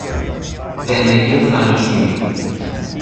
زندگی زناشویی